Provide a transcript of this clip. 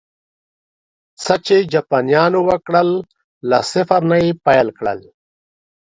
څه چې جاپانيانو وکړل، له صفر نه یې پیل کړل